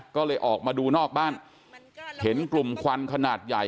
ก็เลยออกมาดูนอกบ้านเห็นกลุ่มควันขนาดใหญ่